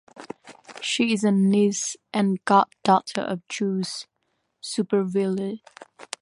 She is the niece and goddaughter of Jules Supervielle.